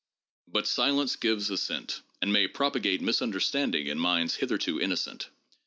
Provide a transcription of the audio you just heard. But " Silence gives assent," and may propagate misunderstanding in minds hitherto innocent.